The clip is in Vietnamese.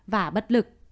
và bất lực